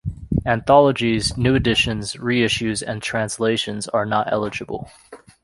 Anthologies, new editions, re-issues and translations are not eligible.